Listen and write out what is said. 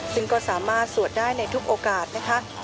ซึ่งก็สามารถสวดได้ในทุกโอกาสนะคะ